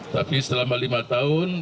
tapi selama lima tahun